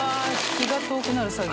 気が遠くなる作業。